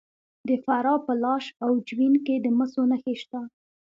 د فراه په لاش او جوین کې د مسو نښې شته.